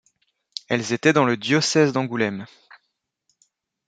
Elles étaient dans le diocèse d'Angoulême.